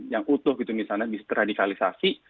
yang utuh gitu misalnya bisa terradikalisasi